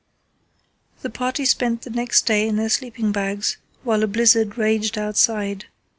The party spent the next day in their sleeping bags, while a blizzard raged outside.